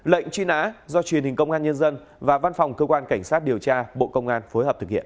lệnh truy nã do truyền hình công an nhân dân và văn phòng cơ quan cảnh sát điều tra bộ công an phối hợp thực hiện